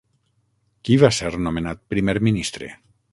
Qui va ser nomenat primer ministre?